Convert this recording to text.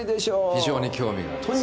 非常に興味があります。